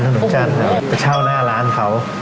เที่ยวเจ้าหน้าร้านเขา